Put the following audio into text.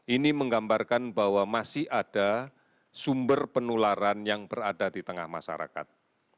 ini menggambarkan bahwa masih ada sumber penularan yang berada di tengah masyarakat